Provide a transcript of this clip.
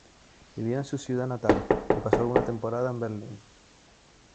Vivió en su ciudad natal, y pasó alguna temporada en Berlín.